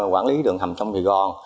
quản lý đường hầm trong vietgon